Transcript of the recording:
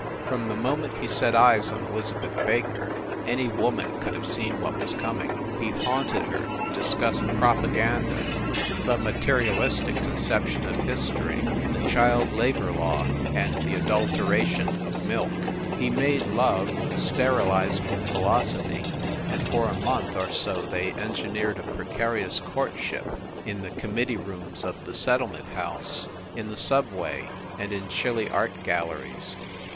From the moment he set eyes on Elizabeth Baker, any woman could have seen what was coming. He haunted her, discussed propaganda, the materialistic conception of history, the child labor law and the adulteration of milk. He made love, sterilized with philosophy, and for a month or so they engineered a precarious courtship, in the committee rooms of the Settlement House, in the subway and in chilly art galleries.